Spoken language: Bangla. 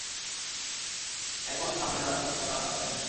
এখন সামনে রাস্তা ছাড়া রাস্তাই নেই।